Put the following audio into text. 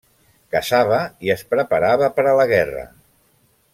Caçava i es preparava per a la guerra.